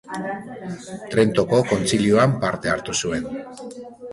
Trentoko Kontzilioan parte hartu zuen.